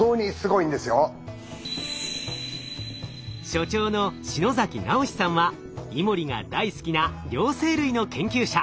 所長の篠崎尚史さんはイモリが大好きな両生類の研究者。